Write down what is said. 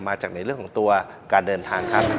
จากในเรื่องของตัวการเดินทางครับ